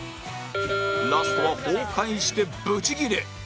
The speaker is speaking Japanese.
ラストは崩壊してブチギレ